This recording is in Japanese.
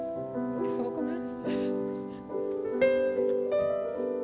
すごくない？